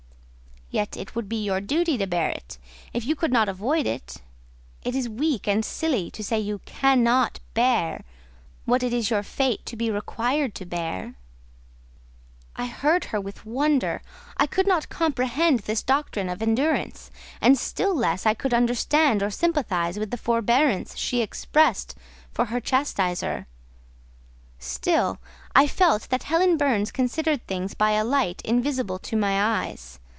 "Yet it would be your duty to bear it, if you could not avoid it: it is weak and silly to say you cannot bear what it is your fate to be required to bear." I heard her with wonder: I could not comprehend this doctrine of endurance; and still less could I understand or sympathise with the forbearance she expressed for her chastiser. Still I felt that Helen Burns considered things by a light invisible to my eyes.